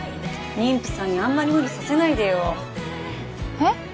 妊婦さんにあんまり無理させないでよえっ？